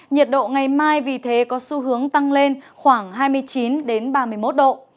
nhiệt độ ngày mai vì thế có xu hướng tăng lên khoảng hai mươi chín ba mươi một độ